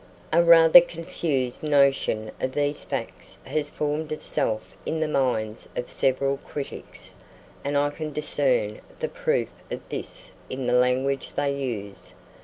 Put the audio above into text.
A rather confused notion of these facts has formed itself in the minds of several critics, and I can discern the proof of this in the language they use.